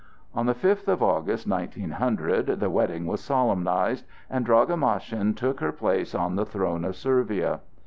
On the fifth of August, 1900, the wedding was solemnized, and Draga Maschin took her place on the throne of Servia.